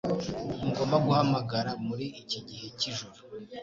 Ntugomba guhamagara muri iki gihe cyijoro